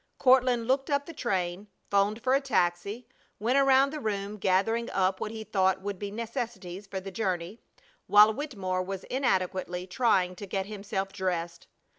Courtland looked up the train, 'phoned for a taxi, went around the room gathering up what he thought would be necessities for the journey, while Wittemore was inadequately trying to get himself dressed.